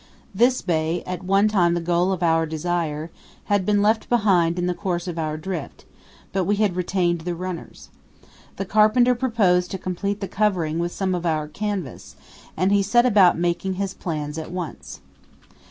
This bay, at one time the goal of our desire, had been left behind in the course of our drift, but we had retained the runners. The carpenter proposed to complete the covering with some of our canvas; and he set about making his plans at once.